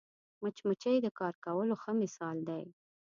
مچمچۍ د کار کولو ښه مثال دی